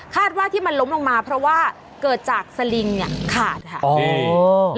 ว่าที่มันล้มลงมาเพราะว่าเกิดจากสลิงเนี่ยขาดค่ะ